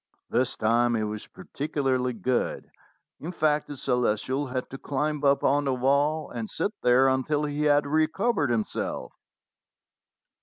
This time he was particularly good; in fact, the Ce lestial had to climb up on the wall and sit there until he had recovered himself.